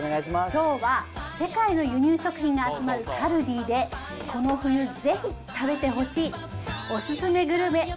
きょうは世界の輸入食品が集まるカルディで、この冬ぜひ食べてほしいおすすめグルメ